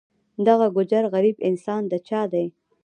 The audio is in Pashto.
دغه ګوجر غریب انسان د چا دی.